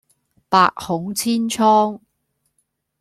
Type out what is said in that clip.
百孔千瘡